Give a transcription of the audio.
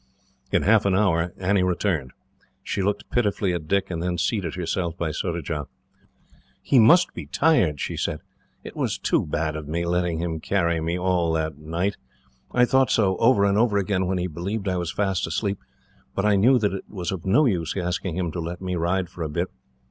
In half an hour Annie returned. She looked pitifully at Dick, and then seated herself by Surajah. "He must be tired," she said. "It was too bad of me, letting him carry me like that all night. I thought so, over and over again, when he believed I was fast asleep, but I knew that it was of no use asking him to let me ride for a bit.